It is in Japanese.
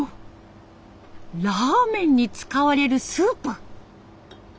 ラーメンに使われるスープ。